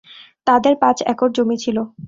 তাদের পাঁচ একর জমি ছিল।